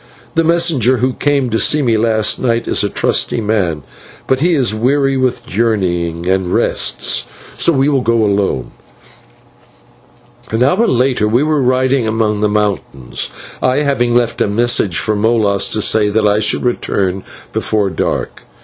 The messenger who came to see me last night is a trusty man, but he is weary with journeying, and rests, so we will go alone." An hour later we were riding among the mountains, I having left a message for Molas to say that I should return before dark.